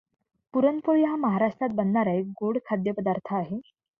पुरणपोळी हा महाराष्ट्रात बनणारा एक गोड खाद्यपदार्थ आहे.